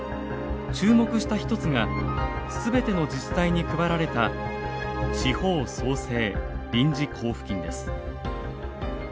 注目した一つが全ての自治体に配られた地方創生臨時交付金です。